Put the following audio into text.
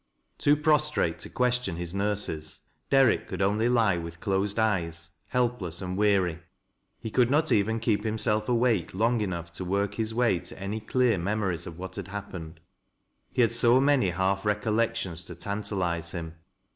Too prostrate to question his nurses, Derrick could only lie with closed eyes helpless and weary. He could not even keep himself awake long enough to work his way to any very clear memories of what had happened. He had sc many half recollections to tantalize him.